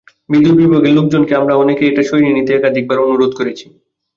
বিদ্যুৎ বিভাগের লোকজনকে আমরা অনেকেই এটা সরিয়ে নিতে একাধিকবার অনুরোধ করেছি।